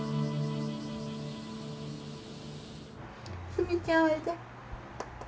すみちゃんおいで。